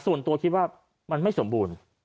ส่วนตัวคิดว่ามันไม่สมบูรณ์